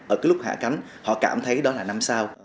ở cái lúc hạ cánh họ cảm thấy đó là năm sao